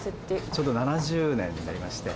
ちょうど７０年になりまして。